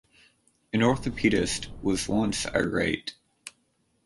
An orthopedist was once irate.